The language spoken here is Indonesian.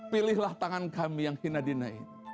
pilihlah tangan kami yang hina dinaik